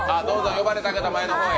呼ばれた方、前の方へ。